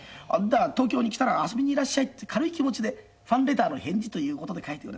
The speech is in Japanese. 「東京に来たら遊びにいらっしゃい」って軽い気持ちでファンレターの返事という事で書いてくれた。